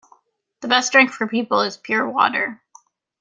The best drink for people is pure water.